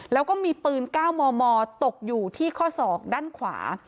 แล้วก็มีปืนก้าวมอตกอยู่ที่ข้อ๒ด้านขวา